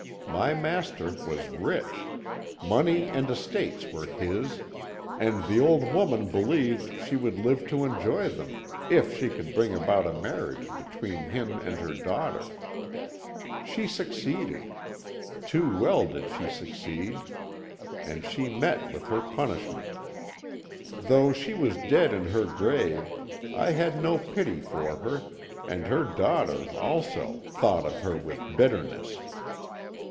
My master was rich; money and estates were his, and the old woman believed she would live to enjoy them if she could bring about a marriage between him and her daughter. "She succeeded too well did she succeed, and she met with her punishment. Though she was dead in her grave I had no pity for her, and her daughter, also, thought of her with bitterness.